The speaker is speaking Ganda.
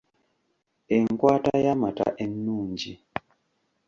Enkwata y’amata ennungi.